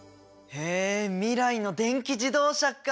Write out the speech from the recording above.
へえ未来の電気自動車か！